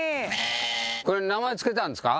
これ名前つけてあんですか？